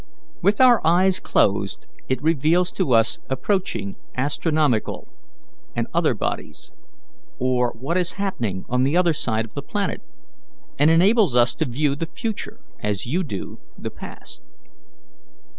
With our eyes closed it reveals to us approaching astronomical and other bodies, or what is happening on the other side of the planet, and enables us to view the future as you do the past.